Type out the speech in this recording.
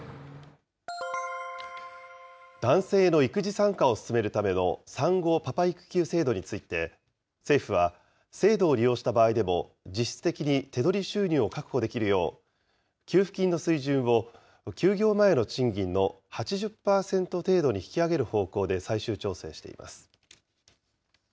男性の育児参加を進めるための産後パパ育休制度について、政府は、制度を利用した場合でも、実質的に手取り収入を確保できるよう、給付金の水準を休業前の賃金の８０％程度に引き上げる方向で最終調整しています。